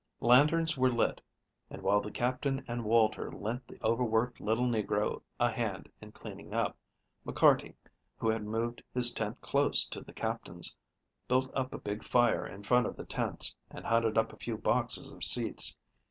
Lanterns were lit, and, while the Captain and Walter lent the overworked little negro a hand in cleaning up, McCarty, who had moved his tent close to the Captain's, built up a big fire in front of the tents, and hunted up a few boxes for seats.